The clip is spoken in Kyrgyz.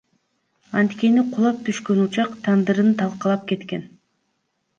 Анткени кулап түшкөн учак тандырын талкалап кеткен.